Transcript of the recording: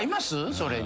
それに。